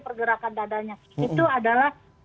pergerakan dadanya itu adalah